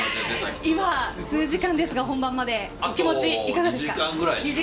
今、数時間ですが本番まで気持ちいかがですか。